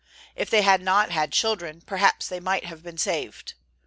If they had not had children, perhaps they might have been saved.